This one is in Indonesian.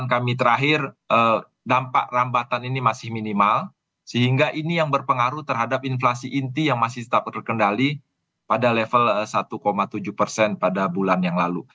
kami terakhir dampak rambatan ini masih minimal sehingga ini yang berpengaruh terhadap inflasi inti yang masih tetap terkendali pada level satu tujuh persen pada bulan yang lalu